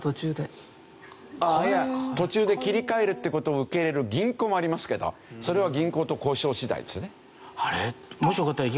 途中で切り替えるって事を受け入れる銀行もありますけどそれは銀行と交渉次第ですね。